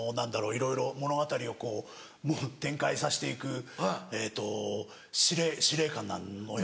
いろいろ物語を展開させて行くえっと司令官の役。